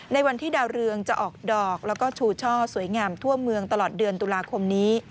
ในวันที่ดาวเรืองจะออกดอกแล้วก็ชูช่อสวยงามทั่วเมืองตลอดเดือนตุลาคมนี้